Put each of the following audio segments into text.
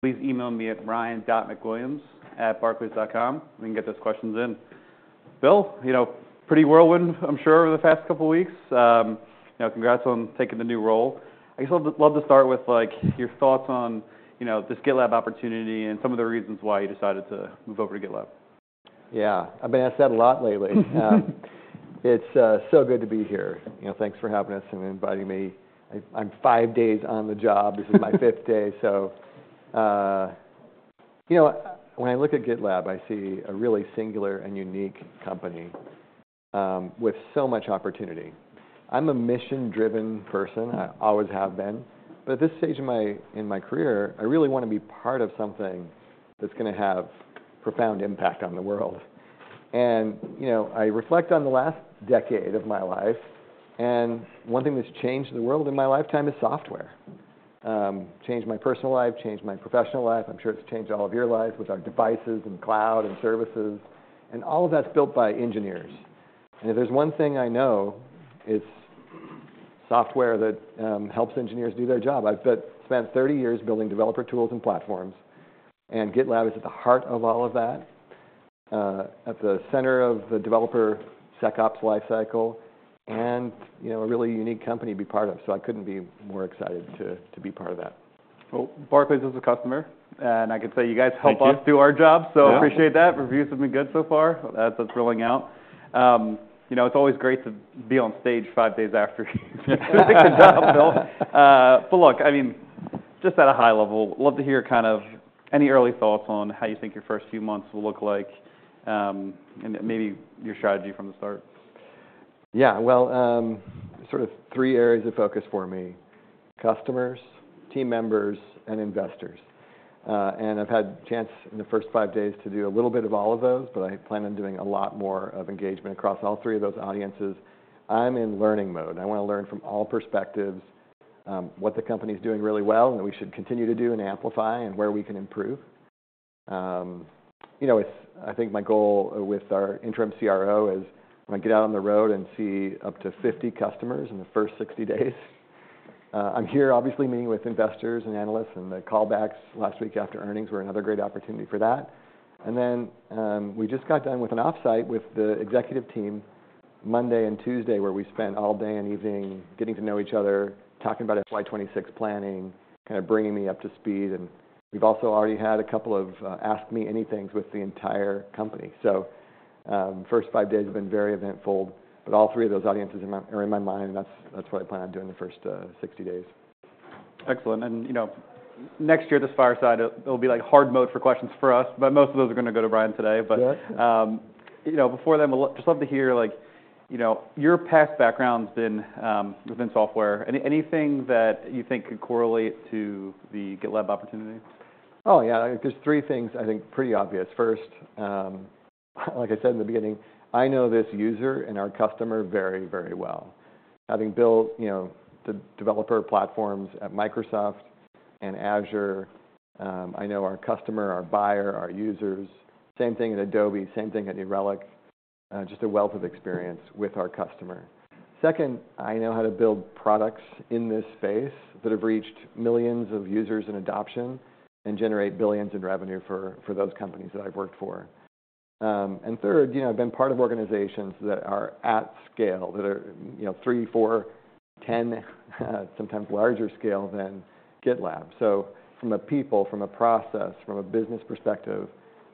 Please email me at brian.mcwilliams@barclays.com. We can get those questions in. Bill, you know, pretty whirlwind, I'm sure, over the past couple of weeks. You know, congrats on taking the new role. I guess I'd love to start with, like, your thoughts on, you know, this GitLab opportunity and some of the reasons why you decided to move over to GitLab. Yeah. I've been asked that a lot lately. It's so good to be here. You know, thanks for having us and inviting me. I'm five days on the job. This is my fifth day. So, you know, when I look at GitLab, I see a really singular and unique company, with so much opportunity. I'm a mission-driven person. I always have been, but at this stage in my career, I really want to be part of something that's going to have a profound impact on the world, and you know, I reflect on the last decade of my life, and one thing that's changed the world in my lifetime is software. Changed my personal life, changed my professional life. I'm sure it's changed all of your lives with our devices and cloud and services, and all of that's built by engineers. If there's one thing I know, it's software that helps engineers do their job. I've spent 30 years building developer tools and platforms, and GitLab is at the heart of all of that, at the center of the developer DevSecOps lifecycle and, you know, a really unique company to be part of. I couldn't be more excited to be part of that. Well, Barclays is a customer, and I can say you guys help us do our job, so I appreciate that. Reviews have been good so far. That's rolling out. You know, it's always great to be on stage five days after you take the job, Bill. But look, I mean, just at a high level, love to hear kind of any early thoughts on how you think your first few months will look like, and maybe your strategy from the start. Yeah. Well, sort of three areas of focus for me: customers, team members, and investors, and I've had a chance in the first five days to do a little bit of all of those, but I plan on doing a lot more of engagement across all three of those audiences. I'm in learning mode. I want to learn from all perspectives, what the company's doing really well and that we should continue to do and amplify and where we can improve, you know. It's, I think, my goal with our interim CRO is when I get out on the road and see up to 50 customers in the first 60 days. I'm here, obviously, meeting with investors and analysts, and the callbacks last week after earnings were another great opportunity for that. And then, we just got done with an offsite with the executive team Monday and Tuesday, where we spent all day and evening getting to know each other, talking about FY26 planning, kind of bringing me up to speed. And we've also already had a couple of, ask-me-anythings with the entire company. So, first five days have been very eventful, but all three of those audiences are in my mind, and that's what I plan on doing the first, 60 days. Excellent, and you know, next year, this fireside, it'll be like hard mode for questions for us, but most of those are going to go to Brian today, but you know, before then, just love to hear, like, you know, your past background's been, within software. Anything that you think could correlate to the GitLab opportunity? Oh, yeah. There's three things I think pretty obvious. First, like I said in the beginning, I know this user and our customer very, very well. Having built, you know, the developer platforms at Microsoft and Azure, I know our customer, our buyer, our users. Same thing at Adobe, same thing at New Relic. Just a wealth of experience with our customer. Second, I know how to build products in this space that have reached millions of users and adoption and generate billions in revenue for those companies that I've worked for. And third, you know, I've been part of organizations that are at scale, that are, you know, three, four, 10, sometimes larger scale than GitLab. So from a people, from a process, from a business perspective,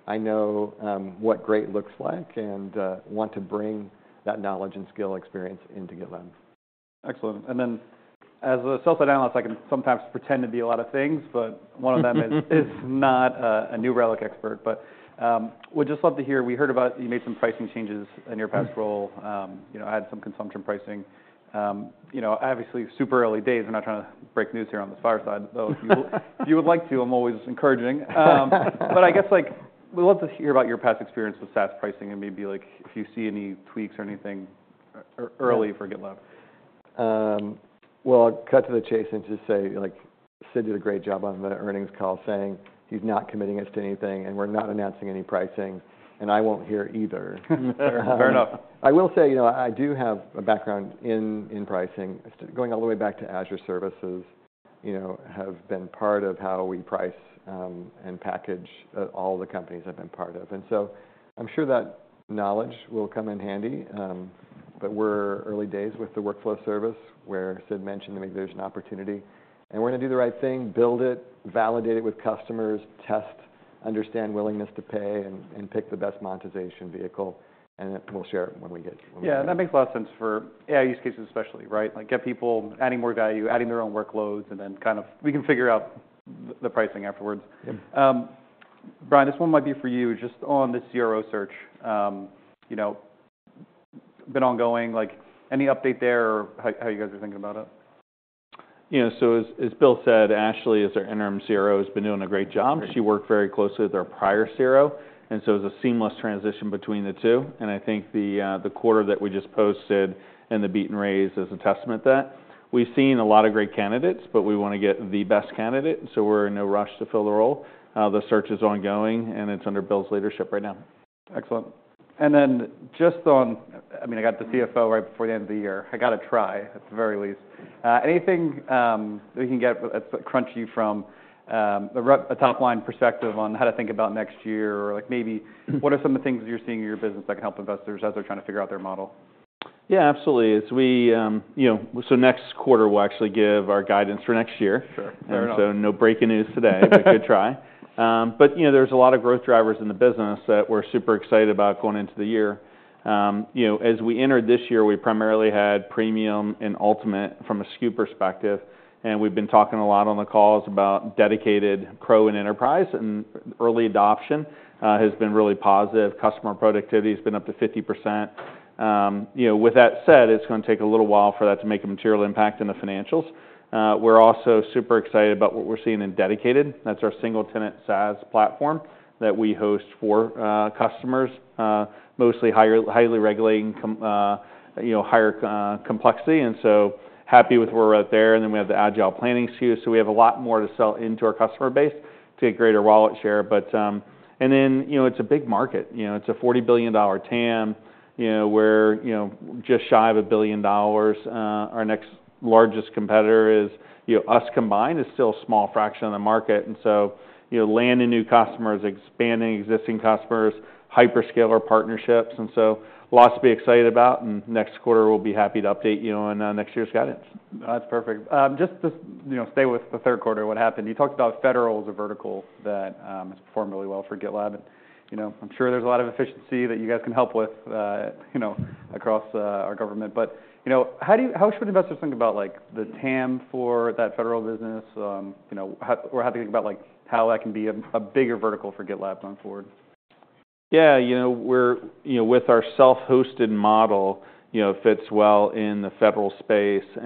I know what great looks like and want to bring that knowledge and skill experience into GitLab. Excellent. And then, as a sell-side analyst, I can sometimes pretend to be a lot of things, but one of them is not a New Relic expert. But would just love to hear we heard about you made some pricing changes in your past role, you know, add some consumption pricing. You know, obviously, super early days. We're not trying to break news here on this fireside, though if you would like to, I'm always encouraging. But I guess, like, we'd love to hear about your past experience with SaaS pricing and maybe, like, if you see any tweaks or anything early for GitLab. Well, I'll cut to the chase and just say, like, Sid did a great job on the earnings call saying he's not committing us to anything and we're not announcing any pricing, and I won't hear either. Fair enough. I will say, you know, I do have a background in pricing going all the way back to Azure services, you know, have been part of how we price, and package all the companies I've been part of. And so I'm sure that knowledge will come in handy. But we're early days with the workflow service where Sid mentioned to me there's an opportunity. And we're going to do the right thing, build it, validate it with customers, test, understand willingness to pay, and pick the best monetization vehicle, and we'll share it when we get. Yeah. That makes a lot of sense for AI use cases especially, right? Like, get people adding more value, adding their own workloads, and then kind of we can figure out the pricing afterwards. Brian, this one might be for you. Just on the CRO search, you know, been ongoing. Like, any update there or how you guys are thinking about it? Yeah. So as Bill said, Ashley, as our interim CRO, has been doing a great job. She worked very closely with our prior CRO, and so it was a seamless transition between the two. And I think the quarter that we just posted and the beat and raise is a testament to that. We've seen a lot of great candidates, but we want to get the best candidate, so we're in no rush to fill the role. The search is ongoing, and it's under Bill's leadership right now. Excellent. And then just on, I mean, I got the CFO right before the end of the year. I got to try at the very least anything that we can get that's crunchy from a top-line perspective on how to think about next year or, like, maybe what are some of the things you're seeing in your business that can help investors as they're trying to figure out their model? Yeah, absolutely. As we, you know, so next quarter we'll actually give our guidance for next year. Sure. Fair enough. And so no breaking news today. Good try. But, you know, there's a lot of growth drivers in the business that we're super excited about going into the year. You know, as we entered this year, we primarily had Premium and Ultimate from a SKU perspective, and we've been talking a lot on the calls about Dedicated Pro and Enterprise, and early adoption has been really positive. Customer productivity has been up to 50%. You know, with that said, it's going to take a little while for that to make a material impact in the financials. We're also super excited about what we're seeing in Dedicated. That's our single-tenant SaaS platform that we host for customers, mostly highly regulated, you know, higher complexity. And so happy with where we're at there. Then we have the agile planning SKU, so we have a lot more to sell into our customer base to get greater wallet share. But you know, it's a big market. You know, it's a $40 billion TAM, you know, we're, you know, just shy of $1 billion. Our next largest competitor is, you know, us combined still a small fraction of the market. So you know, landing new customers, expanding existing customers, hyperscaler partnerships. So lots to be excited about, and next quarter we'll be happy to update you on next year's guidance. That's perfect. Just to, you know, stay with the third quarter, what happened? You talked about federal as a vertical that has performed really well for GitLab. And you know, I'm sure there's a lot of efficiency that you guys can help with, you know, across our government. But you know, how should investors think about, like, the TAM for that federal business? You know, how do they think about, like, how that can be a bigger vertical for GitLab going forward? Yeah. You know, we're you know, with our self-hosted model, you know, it fits well in the federal space. You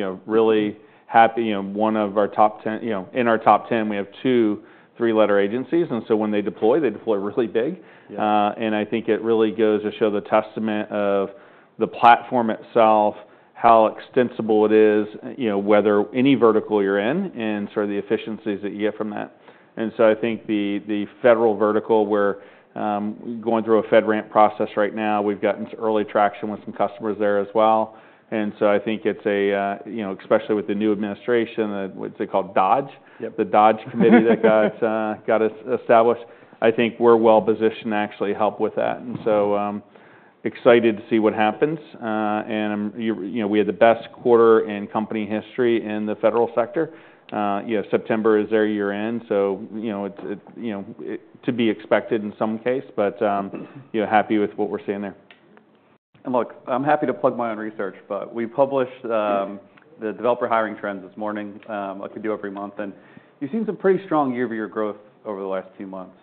know, really happy, you know, one of our top 10, you know, in our top 10, we have two three-letter agencies. And so when they deploy, they deploy really big. I think it really goes to show the testament of the platform itself, how extensible it is, you know, whether any vertical you're in and sort of the efficiencies that you get from that. And so I think the federal vertical, we're going through a FedRAMP process right now. We've gotten early traction with some customers there as well. And so I think it's a you know, especially with the new administration, what's it called? DOGE. Yep. The DOGE committee that got established. I think we're well-positioned to actually help with that, and so excited to see what happens, and you know, we had the best quarter in company history in the federal sector. You know, September is their year-end, so, you know, it's, you know, to be expected in some case, but you know, happy with what we're seeing there. And look, I'm happy to plug my own research, but we published the Developer Hiring Trends this morning, like we do every month. And you've seen some pretty strong year-over-year growth over the last few months.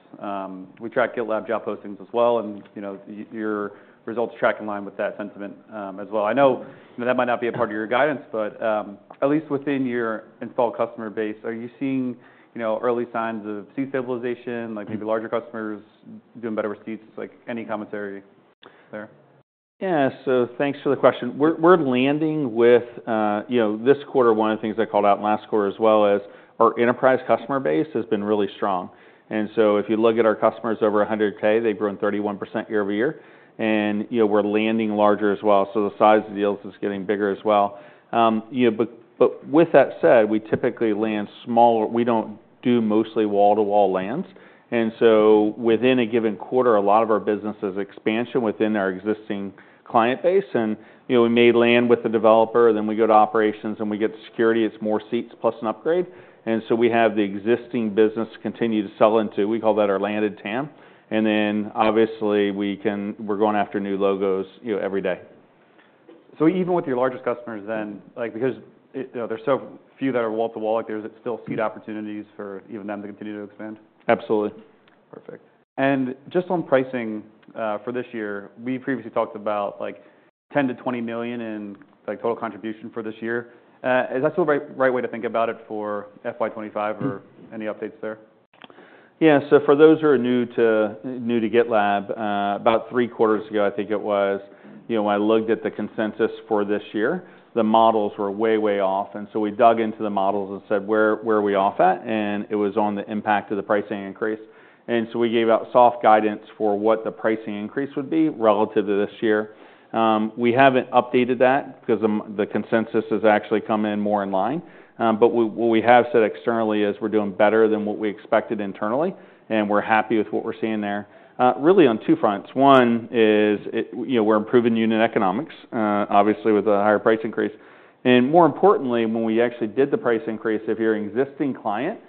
We track GitLab job postings as well, and, you know, your results track in line with that sentiment, as well. I know, you know, that might not be a part of your guidance, but, at least within your installed customer base, are you seeing, you know, early signs of stabilization, like maybe larger customers doing better results? Like, any commentary there? Yeah. So thanks for the question. We're landing with, you know, this quarter, one of the things I called out in last quarter as well is our enterprise customer base has been really strong. And so if you look at our customers over 100K, they've grown 31% year-over-year. And, you know, we're landing larger as well. So the size of the deals is getting bigger as well. You know, but with that said, we typically land smaller. We don't do mostly wall-to-wall lands. And so within a given quarter, a lot of our business has expansion within our existing client base. And, you know, we may land with the developer, then we go to operations and we get to security. It's more seats plus an upgrade. And so we have the existing business continue to sell into. We call that our landed TAM. And then, obviously, we're going after new logos, you know, every day. So even with your largest customers then, like, because, you know, there's so few that are wall-to-wall, like, there's still seat opportunities for even them to continue to expand? Absolutely. Perfect. And just on pricing, for this year, we previously talked about, like, $10 million-$20 million in, like, total contribution for this year. Is that still the right way to think about it for FY25 or any updates there? Yeah. So for those who are new to GitLab, about three quarters ago, I think it was, you know, when I looked at the consensus for this year, the models were way, way off, and so we dug into the models and said, "Where are we off at?", and it was on the impact of the pricing increase, and so we gave out soft guidance for what the pricing increase would be relative to this year. We haven't updated that because the consensus has actually come in more in line, but what we have said externally is we're doing better than what we expected internally, and we're happy with what we're seeing there. Really on two fronts. One is, you know, we're improving unit economics, obviously with a higher price increase. And more importantly, when we actually did the price increase, if you're an existing client,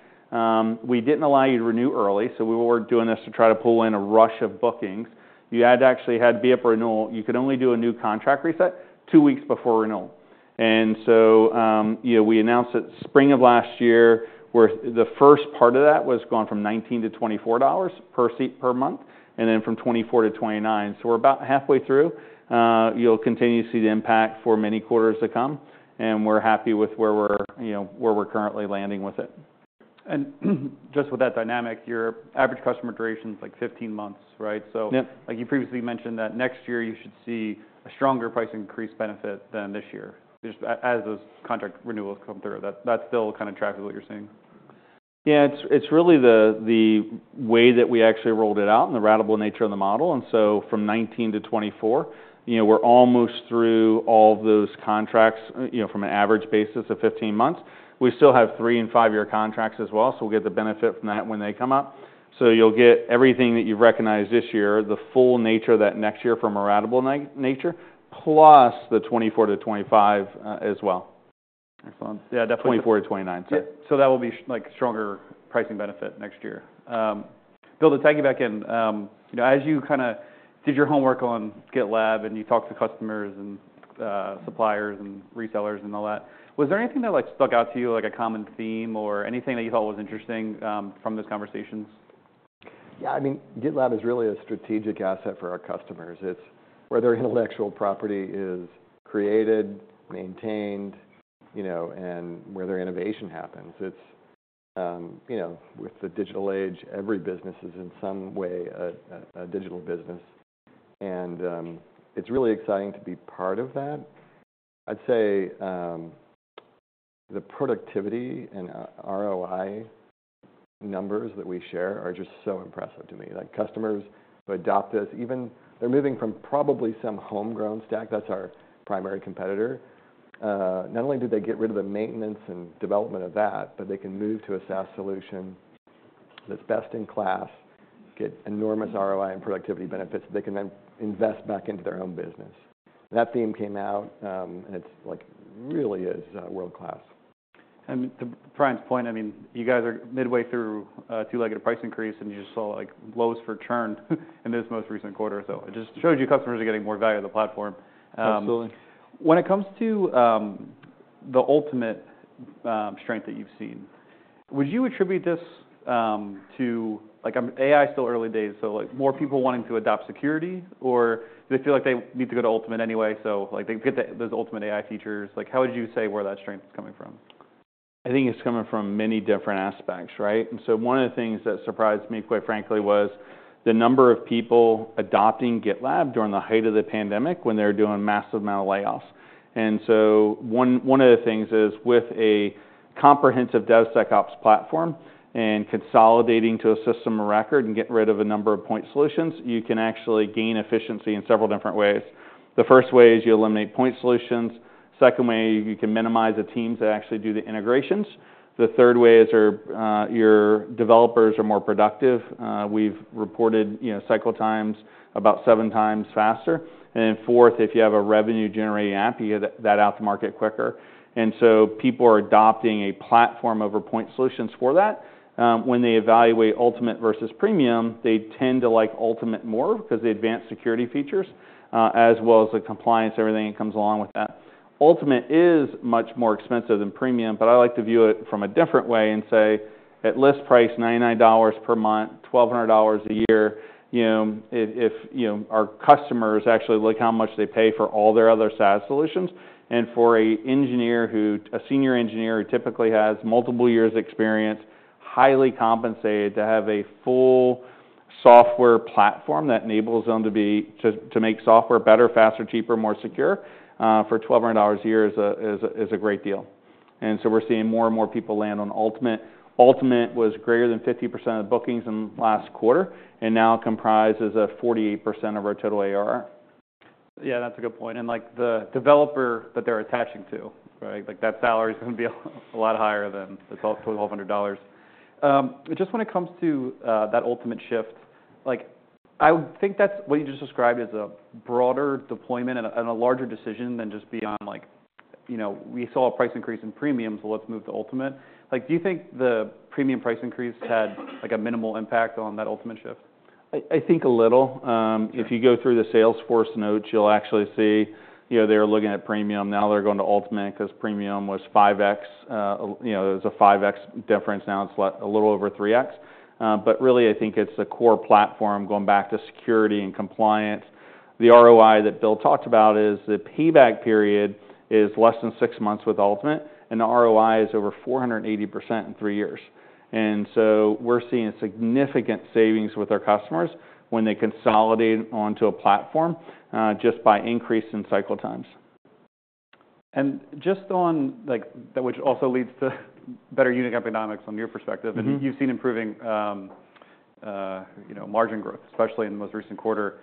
we didn't allow you to renew early. So we were doing this to try to pull in a rush of bookings. You had to actually be up for renewal. You could only do a new contract reset two weeks before renewal. And so, you know, we announced that spring of last year where the first part of that was going from $19-$24 per seat per month and then from $24 to $29. So we're about halfway through. You'll continue to see the impact for many quarters to come. And we're happy with where we're, you know, currently landing with it. Just with that dynamic, your average customer duration's like 15 months, right? So. Yeah. Like you previously mentioned that next year you should see a stronger price increase benefit than this year just as those contract renewals come through. That still kind of tracks what you're seeing? Yeah. It's really the way that we actually rolled it out and the ratable nature of the model. And so from 2019 to 2024, you know, we're almost through all of those contracts, you know, from an average basis of 15 months. We still have three and five-year contracts as well, so we'll get the benefit from that when they come up. So you'll get everything that you've recognized this year, the full nature of that next year from a ratable nature, plus the 2024 to 2025 as well. Excellent. Yeah, definitely. 24 to 29, so. Yeah, so that will be like stronger pricing benefit next year. Bill, to tag you back in, you know, as you kind of did your homework on GitLab and you talked to customers and suppliers and resellers and all that, was there anything that, like, stuck out to you, like a common theme or anything that you thought was interesting, from those conversations? Yeah. I mean, GitLab is really a strategic asset for our customers. It's where their intellectual property is created, maintained, you know, and where their innovation happens. It's, you know, with the digital age, every business is in some way a digital business, and it's really exciting to be part of that. I'd say, the productivity and ROI numbers that we share are just so impressive to me. Like, customers who adopt this, even they're moving from probably some homegrown stack. That's our primary competitor. Not only did they get rid of the maintenance and development of that, but they can move to a SaaS solution that's best in class, get enormous ROI and productivity benefits that they can then invest back into their own business. That theme came out, and it's like really is world-class. And to Brian's point, I mean, you guys are midway through a two-legged price increase, and you just saw, like, lows for churn in this most recent quarter. So I just showed you customers are getting more value of the platform. Absolutely. When it comes to the ultimate strength that you've seen, would you attribute this to, like, in AI is still early days, so like more people wanting to adopt security, or do they feel like they need to go to ultimate anyway? So like they get those ultimate AI features. Like, how would you say where that strength is coming from? I think it's coming from many different aspects, right, and so one of the things that surprised me, quite frankly, was the number of people adopting GitLab during the height of the pandemic when they were doing massive amount of layoffs, and so one of the things is with a comprehensive DevSecOps platform and consolidating to a system of record and getting rid of a number of point solutions, you can actually gain efficiency in several different ways. The first way is you eliminate point solutions. Second way, you can minimize the teams that actually do the integrations. The third way is your developers are more productive. We've reported, you know, cycle times about seven times faster, and then fourth, if you have a revenue-generating app, you get that out to market quicker, and so people are adopting a platform over point solutions for that. When they evaluate Ultimate versus Premium, they tend to like Ultimate more because of the advanced security features, as well as the compliance, everything that comes along with that. Ultimate is much more expensive than Premium, but I like to view it from a different way and say at list price, $99 per month, $1,200 a year, you know, if, you know, our customers actually look how much they pay for all their other SaaS solutions. And for an engineer who, a senior engineer who typically has multiple years of experience, highly compensated to have a full software platform that enables them to make software better, faster, cheaper, more secure, for $1,200 a year is a great deal. And so we're seeing more and more people land on Ultimate. Ultimate was greater than 50% of the bookings in the last quarter and now comprises of 48% of our total AR. Yeah, that's a good point. And like the developer that they're attaching to, right? Like that salary is going to be a lot higher than $1,200, just when it comes to that ultimate shift. Like I think that's what you just described as a broader deployment and a larger decision than just beyond like, you know, we saw a price increase in premium, so let's move to ultimate. Like, do you think the premium price increase had like a minimal impact on that ultimate shift? I think a little. If you go through the Salesforce notes, you'll actually see, you know, they were looking at Premium. Now they're going to Ultimate because Premium was 5X. You know, it was a 5X difference. Now it's a little over 3X. But really I think it's a core platform going back to security and compliance. The ROI that Bill talked about is the payback period is less than six months with Ultimate, and the ROI is over 480% in three years, and so we're seeing significant savings with our customers when they consolidate onto a platform, just by increasing cycle times. And just on, like, that which also leads to better unit economics on your perspective, and you've seen improving, you know, margin growth, especially in the most recent quarter.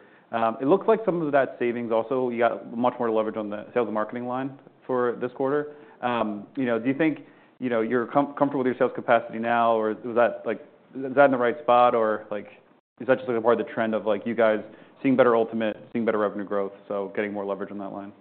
It looks like some of that savings also you got much more leverage on the sales and marketing line for this quarter. You know, do you think, you know, you're comfortable with your sales capacity now, or was that like is that in the right spot, or like is that just like a part of the trend of like you guys seeing better Ultimate, seeing better revenue growth, so getting more leverage on that line?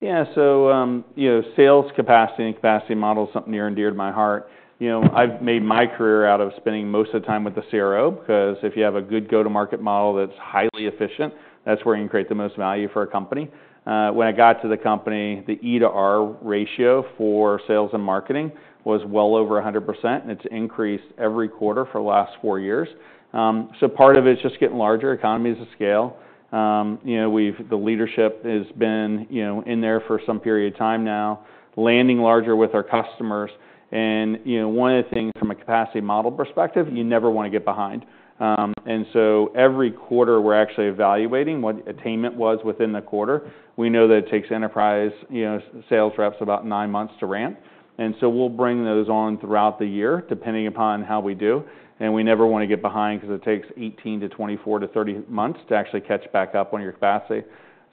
Yeah. So, you know, sales capacity and capacity model is something near and dear to my heart. You know, I've made my career out of spending most of the time with the CRO because if you have a good go-to-market model that's highly efficient, that's where you can create the most value for a company. When I got to the company, the E to R ratio for sales and marketing was well over 100%, and it's increased every quarter for the last four years. So part of it's just getting larger, economies of scale. You know, we've the leadership has been, you know, in there for some period of time now, landing larger with our customers. And, you know, one of the things from a capacity model perspective, you never want to get behind. And so every quarter we're actually evaluating what attainment was within the quarter. We know that it takes enterprise, you know, sales reps about nine months to ramp, and so we'll bring those on throughout the year depending upon how we do, and we never want to get behind because it takes 18 to 24 to 30 months to actually catch back up on your capacity,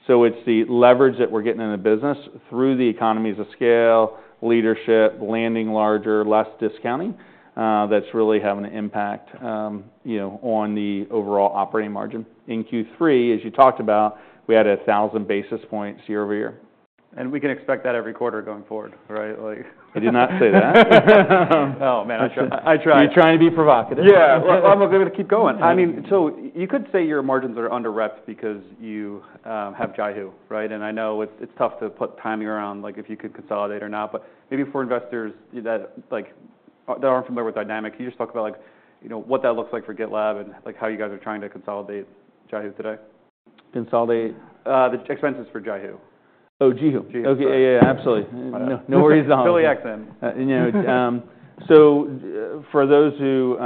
so it's the leverage that we're getting in the business through the economies of scale, leadership, landing larger, less discounting, that's really having an impact, you know, on the overall operating margin. In Q3, as you talked about, we had 1,000 basis points year-over-year. We can expect that every quarter going forward, right? Like. I did not say that. Oh, man. I try. I try. You're trying to be provocative. Yeah. I'm going to keep going. I mean, so you could say your margins are under-represented because you have JiHu, right? And I know it's tough to put timing around, like, if you could consolidate or not, but maybe for investors that, like, that aren't familiar with dynamics, can you just talk about, like, you know, what that looks like for GitLab and, like, how you guys are trying to consolidate JiHu today? Consolidate? The expenses for Jihu. Oh, Jihu. Jihu. Okay. Yeah, yeah, yeah. Absolutely. No worries on. Billy Accent. You know, so for those who, you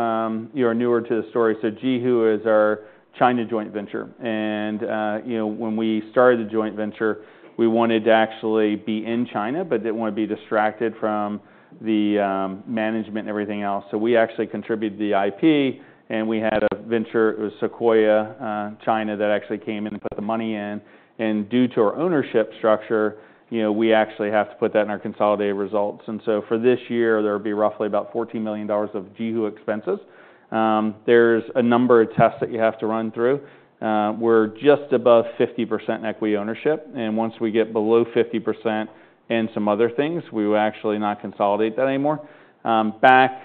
know, are newer to the story, so Jihu is our China joint venture, and you know, when we started the joint venture, we wanted to actually be in China, but didn't want to be distracted from the management and everything else, so we actually contributed the IP, and we had a venture, it was Sequoia China that actually came in and put the money in, and due to our ownership structure, you know, we actually have to put that in our consolidated results, and so for this year, there will be roughly about $14 million of Jihu expenses. There's a number of tests that you have to run through. We're just above 50% in equity ownership, and once we get below 50% and some other things, we will actually not consolidate that anymore. Back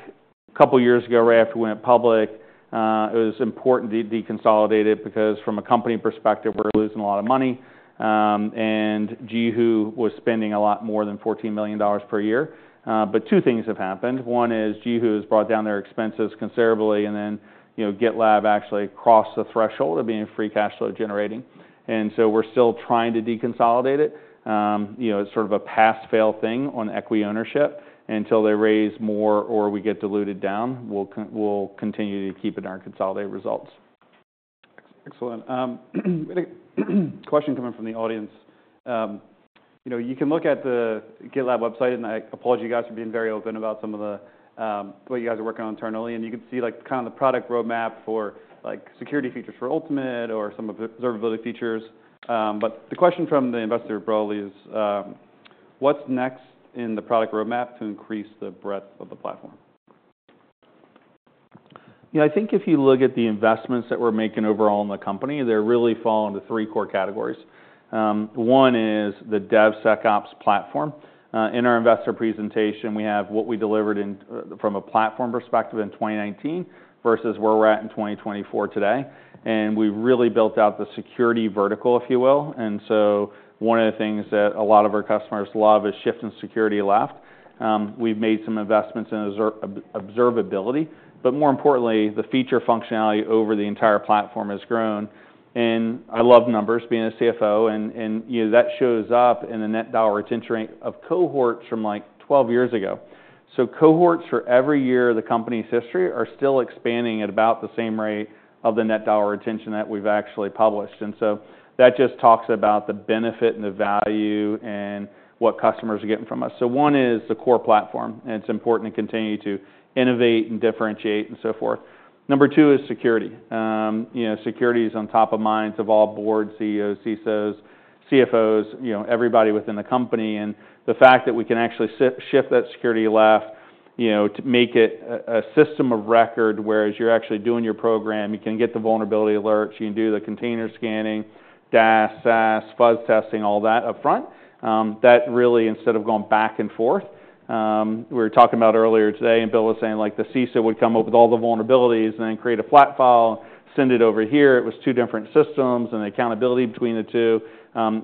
a couple of years ago, right after we went public, it was important to deconsolidate it because from a company perspective, we're losing a lot of money, and Jihu was spending a lot more than $14 million per year, but two things have happened. One is Jihu has brought down their expenses considerably, and then, you know, GitLab actually crossed the threshold of being free cash flow generating, and so we're still trying to deconsolidate it. You know, it's sort of a pass-fail thing on equity ownership. Until they raise more or we get diluted down, we'll continue to keep it in our consolidated results. Excellent. Question coming from the audience. You know, you can look at the GitLab website, and I apologize, you guys are being very open about some of the, what you guys are working on internally. And you can see like kind of the product roadmap for like security features for ultimate or some observability features. But the question from the investor probably is, what's next in the product roadmap to increase the breadth of the platform? You know, I think if you look at the investments that we're making overall in the company, they really fall into three core categories. One is the DevSecOps platform. In our investor presentation, we have what we delivered from a platform perspective in 2019 versus where we're at in 2024 today. And we've really built out the security vertical, if you will. And so one of the things that a lot of our customers love is shifting security left. We've made some investments in observability, but more importantly, the feature functionality over the entire platform has grown. And I love numbers being a CFO, and you know, that shows up in the net dollar retention rate of cohorts from like 12 years ago. So cohorts for every year of the company's history are still expanding at about the same rate of the net dollar retention that we've actually published. And so that just talks about the benefit and the value and what customers are getting from us. So one is the core platform, and it's important to continue to innovate and differentiate and so forth. Number two is security. You know, security is on top of minds of all board CEOs, CISOs, CFOs, you know, everybody within the company. And the fact that we can actually shift that security left, you know, to make it a system of record whereas you're actually doing your program, you can get the vulnerability alerts, you can do the container scanning, DAST, SAST, fuzz testing, all that upfront. That really, instead of going back and forth, we were talking about earlier today, and Bill was saying like the CISO would come up with all the vulnerabilities and then create a flat file, send it over here. It was two different systems and the accountability between the two.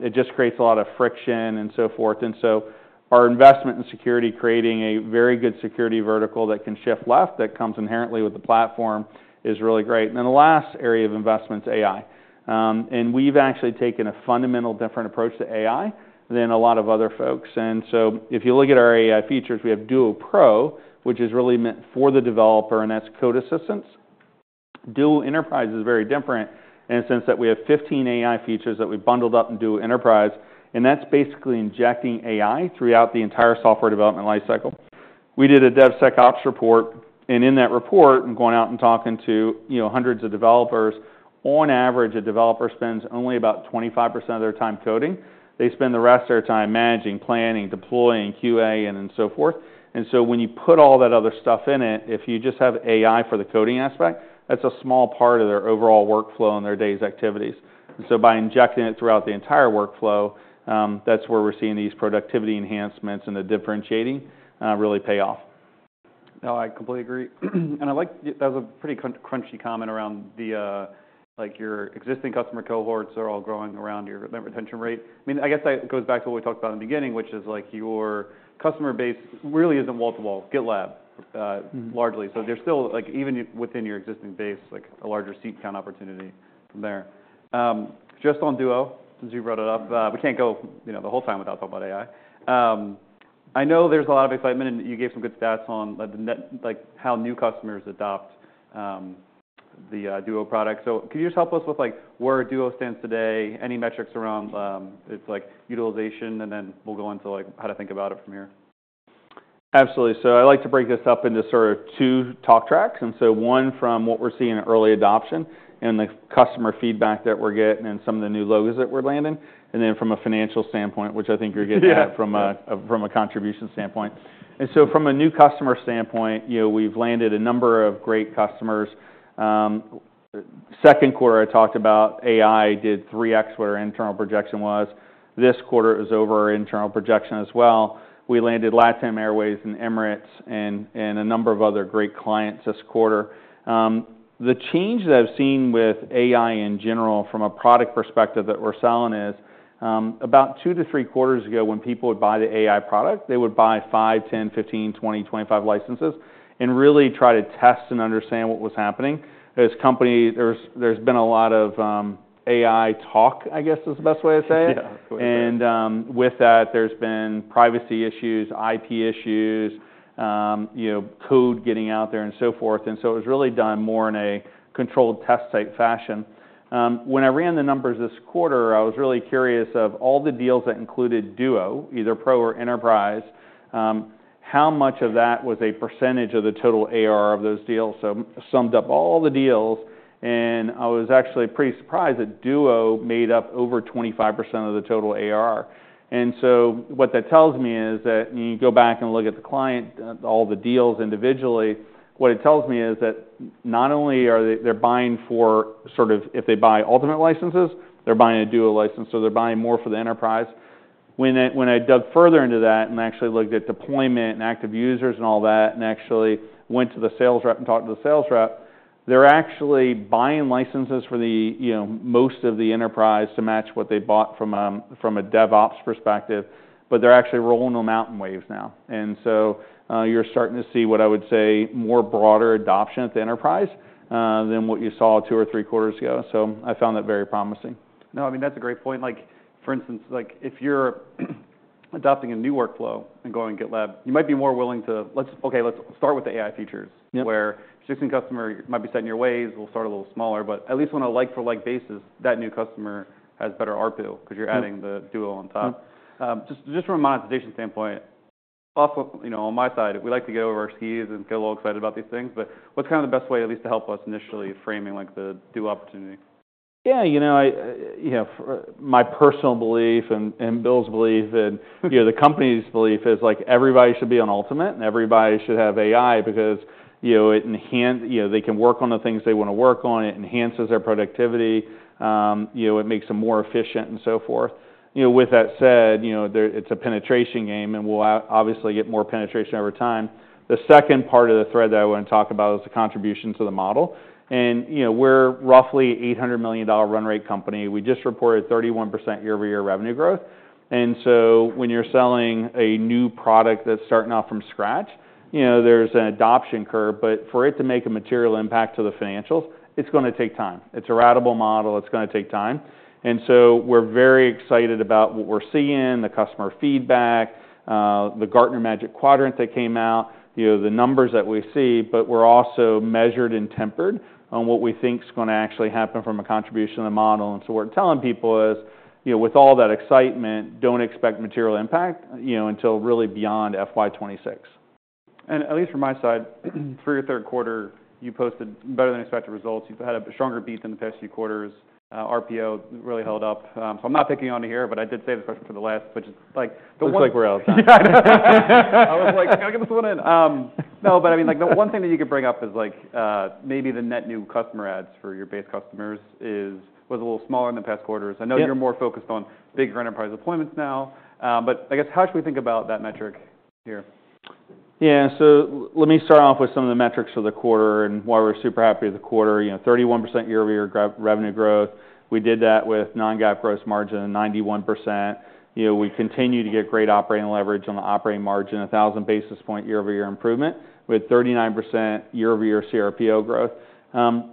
It just creates a lot of friction and so forth, and so our investment in security, creating a very good security vertical that can shift left that comes inherently with the platform, is really great, and then the last area of investment is AI, and we've actually taken a fundamental different approach to AI than a lot of other folks, and so if you look at our AI features, we have Duo Pro, which is really meant for the developer, and that's code assistance. Duo Enterprise is very different in the sense that we have 15 AI features that we bundled up in Duo Enterprise, and that's basically injecting AI throughout the entire software development lifecycle. We did a DevSecOps report, and in that report, I'm going out and talking to, you know, hundreds of developers. On average, a developer spends only about 25% of their time coding. They spend the rest of their time managing, planning, deploying, QA, and so forth. And so when you put all that other stuff in it, if you just have AI for the coding aspect, that's a small part of their overall workflow and their day's activities. And so by injecting it throughout the entire workflow, that's where we're seeing these productivity enhancements and the differentiating, really pay off. No, I completely agree, and I like that was a pretty crunchy comment around the like your existing customer cohorts are all growing around your net retention rate. I mean, I guess that goes back to what we talked about in the beginning, which is like your customer base really isn't wall to wall, GitLab, largely. So there's still like even within your existing base, like a larger seat count opportunity from there. Just on Duo, since you brought it up, we can't go, you know, the whole time without talking about AI. I know there's a lot of excitement, and you gave some good stats on like the net, like how new customers adopt, the Duo product. So can you just help us with like where Duo stands today, any metrics around its utilization, and then we'll go into like how to think about it from here? Absolutely. So I like to break this up into sort of two talk tracks. And so one from what we're seeing in early adoption and the customer feedback that we're getting and some of the new logos that we're landing. And then from a financial standpoint, which I think you're getting at from a contribution standpoint. And so from a new customer standpoint, you know, we've landed a number of great customers. Second quarter, I talked about AI did 3X what our internal projection was. This quarter, it was over our internal projection as well. We landed LATAM Airlines and Emirates and a number of other great clients this quarter. The change that I've seen with AI in general from a product perspective that we're selling is, about two to three quarters ago when people would buy the AI product, they would buy 5, 10, 15, 20, 25 licenses and really try to test and understand what was happening. As company, there's been a lot of, AI talk, I guess is the best way to say it. And, with that, there's been privacy issues, IP issues, you know, code getting out there and so forth. And so it was really done more in a controlled test type fashion. When I ran the numbers this quarter, I was really curious of all the deals that included Duo, either Pro or Enterprise, how much of that was a percentage of the total AR of those deals. So summed up all the deals, and I was actually pretty surprised that Duo made up over 25% of the total AR, and so what that tells me is that when you go back and look at the client, all the deals individually, what it tells me is that not only are they buying for sort of, if they buy ultimate licenses, they're buying a Duo license, so they're buying more for the enterprise. When I dug further into that and actually looked at deployment and active users and all that, and actually went to the sales rep and talked to the sales rep, they're actually buying licenses for the, you know, most of the enterprise to match what they bought from a DevOps perspective, but they're actually rolling them out in waves now. And so you're starting to see what I would say more broader adoption at the enterprise, than what you saw two or three quarters ago. So I found that very promising. No, I mean, that's a great point. Like, for instance, like if you're adopting a new workflow and going to GitLab, you might be more willing to, let's, okay, let's start with the AI features. Where existing customer might be set in your ways, we'll start a little smaller, but at least on a like-for-like basis, that new customer has better RPU because you're adding the Duo on top. Just from a monetization standpoint, off, you know, on my side, we like to get over our skis and get a little excited about these things, but what's kind of the best way at least to help us initially framing like the Duo opportunity? Yeah, you know, I, you know, my personal belief and Bill's belief and, you know, the company's belief is like everybody should be on ultimate and everybody should have AI because, you know, it enhances, you know, they can work on the things they want to work on, it enhances their productivity, you know, it makes them more efficient and so forth. You know, with that said, you know, it's a penetration game and we'll obviously get more penetration over time. The second part of the thread that I want to talk about is the contributions to the model, and you know, we're roughly an $800 million run rate company. We just reported 31% year-over-year revenue growth. And so when you're selling a new product that's starting off from scratch, you know, there's an adoption curve, but for it to make a material impact to the financials, it's going to take time. It's a ratable model. It's going to take time. And so we're very excited about what we're seeing, the customer feedback, the Gartner Magic Quadrant that came out, you know, the numbers that we see, but we're also measured and tempered on what we think is going to actually happen from a contribution to the model. And so what we're telling people is, you know, with all that excitement, don't expect material impact, you know, until really beyond FY26. At least from my side, for your third quarter, you posted better than expected results. You've had a stronger beat than the past few quarters. RPO really held up. I'm not picking on you here, but I did save the question for the last, which is like. Looks like we're out of time. I was like, can I get this one in? No, but I mean, like the one thing that you could bring up is like, maybe the net new customer adds for your base customers was a little smaller in the past quarters. I know you're more focused on bigger enterprise deployments now, but I guess how should we think about that metric here? Yeah, so let me start off with some of the metrics for the quarter and why we're super happy with the quarter. You know, 31% year-over-year revenue growth. We did that with non-GAAP gross margin of 91%. You know, we continue to get great operating leverage on the operating margin, 1,000 basis points year-over-year improvement with 39% year-over-year CRPO growth.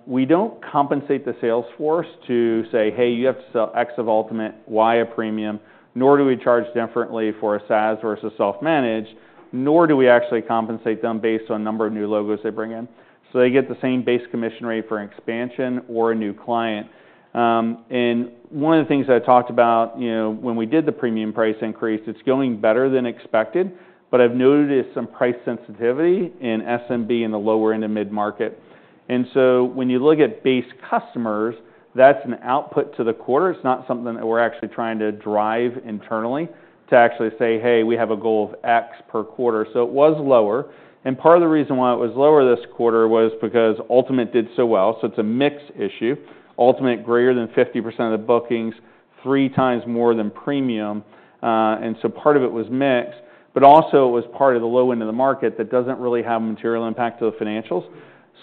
We don't compensate the sales force to say, hey, you have to sell X of ultimate, Y of premium, nor do we charge differently for a SaaS versus self-managed, nor do we actually compensate them based on the number of new logos they bring in. So they get the same base commission rate for an expansion or a new client. And one of the things I talked about, you know, when we did the premium price increase, it's going better than expected, but I've noticed some price sensitivity in SMB in the lower end of mid-market. And so when you look at base customers, that's an output to the quarter. It's not something that we're actually trying to drive internally to actually say, hey, we have a goal of X per quarter. So it was lower. And part of the reason why it was lower this quarter was because ultimate did so well. So it's a mix issue. Ultimate greater than 50% of the bookings, three times more than premium. And part of it was mix, but also it was part of the low end of the market that doesn't really have material impact to the financials.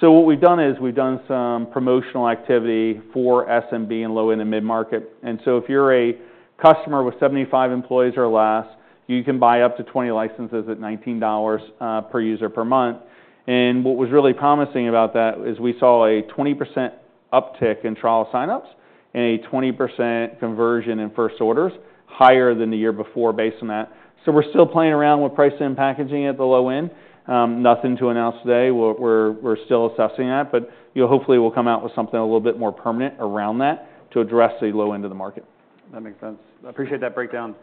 What we've done is we've done some promotional activity for SMB in low end of mid-market. If you're a customer with 75 employees or less, you can buy up to 20 licenses at $19 per user per month. What was really promising about that is we saw a 20% uptick in trial signups and a 20% conversion in first orders, higher than the year before based on that. We're still playing around with pricing and packaging at the low end. Nothing to announce today. We're still assessing that, but hopefully we'll come out with something a little bit more permanent around that to address the low end of the market. That makes sense. I appreciate that breakdown.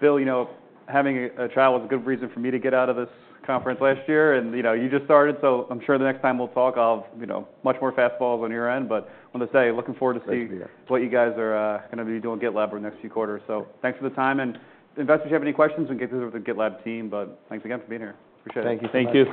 Bill, you know, having a trial was a good reason for me to get out of this conference last year and, you know, you just started. So I'm sure the next time we'll talk, I'll have, you know, much more fastballs on your end, but I want to say looking forward to see what you guys are, going to be doing at GitLab over the next few quarters. So thanks for the time. And investors, if you have any questions, we can get through with the GitLab team, but thanks again for being here. Appreciate it. Thank you.